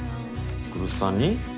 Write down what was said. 来栖さんに？